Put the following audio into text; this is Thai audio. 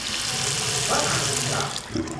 พระนางสีดา